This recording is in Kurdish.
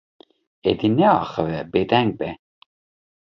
Êdî neaxive, bêdeng be.